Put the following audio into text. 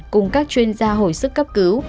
cùng các chuyên gia hồi sức cấp cứu